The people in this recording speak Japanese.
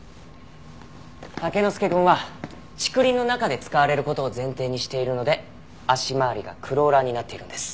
タケノスケくんは竹林の中で使われる事を前提にしているので足回りがクローラーになっているんです。